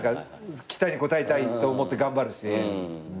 期待に応えたいと思って頑張るし。